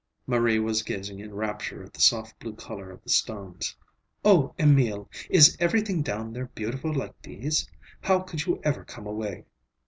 Marie was gazing in rapture at the soft blue color of the stones. "Oh, Emil! Is everything down there beautiful like these? How could you ever come away?"